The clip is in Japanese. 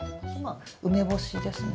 梅干しですね。